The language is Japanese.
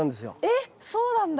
えっそうなんだ。